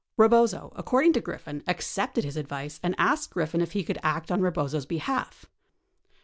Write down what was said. Rebozo, according to Griffin, accepted his advice and asked Griffin if he could act on Rebozo's behalf.